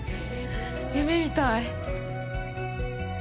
夢見たい。